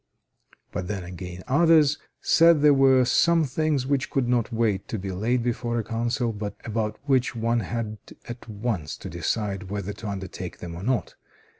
But then again others said there were some things which could not wait to be laid before a Council, but about which one had at once to decide whether to undertake them or not.